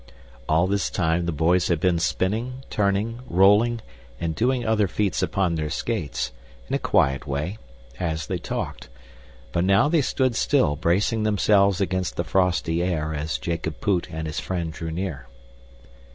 All this time the boys had been spinning, turning, rolling, and doing other feats upon their skates, in a quiet way, as they talked, but now they stood still, bracing themselves against the frosty air as Jacob Poot and his friend drew near.